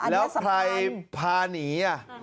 แล้วใครพาหนี